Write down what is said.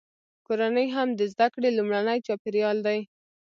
کورنۍ هم د زده کړې لومړنی چاپیریال دی.